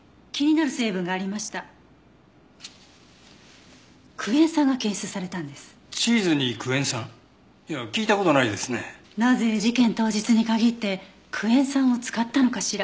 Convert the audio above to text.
なぜ事件当日に限ってクエン酸を使ったのかしら？